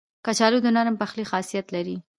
کچالو د نرم پخلي خاصیت لري